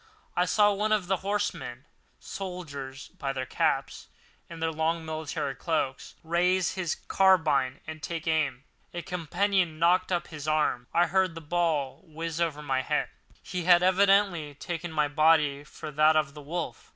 I saw one of the horsemen (soldiers by their caps and their long military cloaks) raise his carbine and take aim. A companion knocked up his arm, and I heard the ball whizz over my head. He had evidently taken my body for that of the wolf.